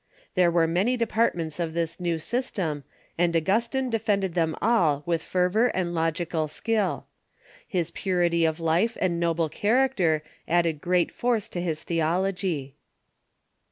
There were many departments of this new system, and Augustine defended them all with fervor and logical skill. His purity of life and noble character added great force to his theology.